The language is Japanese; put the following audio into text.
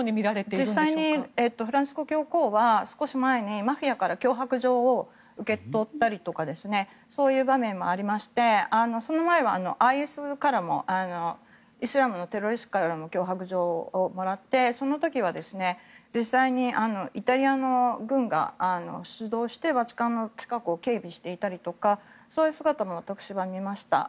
実際にフランシスコ教皇は少し前にマフィアから脅迫状を受け取ったりとかそういう場面もありましてその前はＩＳイスラムのテロリストからも脅迫状をもらってその時は実際にイタリアの軍が出動してバチカンの近くを警備していたりとかそういう姿も私は見ました。